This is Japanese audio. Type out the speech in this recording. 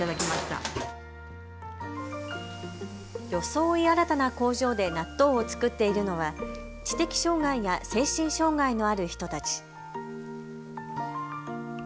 装い新たな工場で納豆を作っているのは知的障害や精神障害のある人たち。